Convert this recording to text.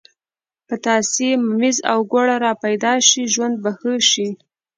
پتاسې، ممیز او ګوړه را پیدا شي ژوند به ښه شي.